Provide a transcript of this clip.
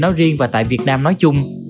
nói riêng và tại việt nam nói chung